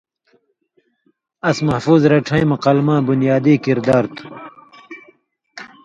اس محفوظ رڇَھیں مہ قلماں بُنیادی کردار تُھو۔